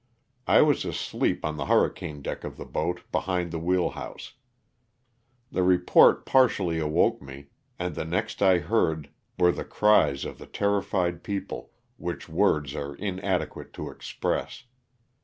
I was asleep on the hurricane deck of the boat, behind the wheel house. The report partially awoke me, and the next I heard were the cries of the terrified people, which words are inadequate to express.